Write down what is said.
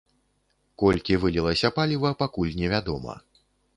Колькі вылілася паліва, пакуль невядома.